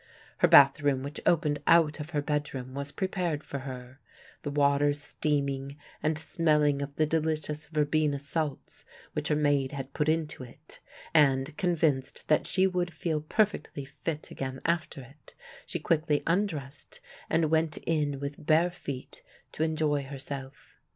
Her bathroom which opened out of her bedroom was prepared for her, the water steaming and smelling of the delicious verbena salts which her maid had put into it, and convinced that she would feel perfectly fit again after it, she quickly undressed, and went in with bare feet to enjoy herself.